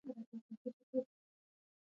افغانستان کې د اوړي په اړه زده کړه کېږي.